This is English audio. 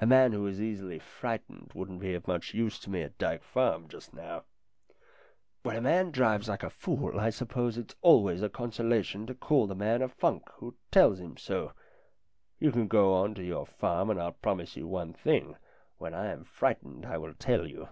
A man who is easily frightened wouldn't be of much use to me at Dyke Farm just now." LINDA 277 "When a man drives like a fool, I suppose it's always a consolation to call the man a funk who tells him so. You can go on to your farm, and I'll promise you one thing when I am frightened I will tell you."